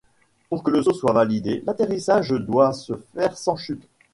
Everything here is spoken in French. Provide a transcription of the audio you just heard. Pour que le saut soit validé, l'atterrissage doit se faire sans chute.